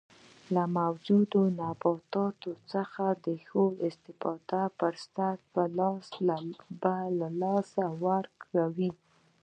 له موجوده نباتاتو څخه د ښې استفادې فرصت په لاس ورکوي.